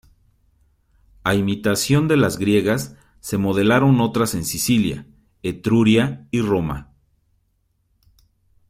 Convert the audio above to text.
A imitación de las griegas, se modelaron otras en Sicilia, Etruria y Roma.